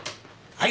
はい。